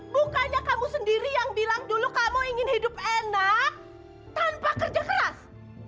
bukannya kamu sendiri yang bilang dulu kamu ingin hidup enak tanpa kerja keras